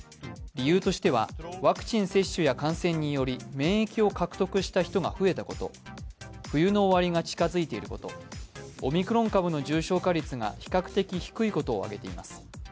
理由としては、ワクチン接種や感染により免疫を獲得した人が増えていること、冬の終わりが近づいていること、オミクロン株の重症化率が比較的低いことを挙げています。